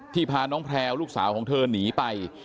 พาน้องแพลวลูกสาวของเธอหนีไป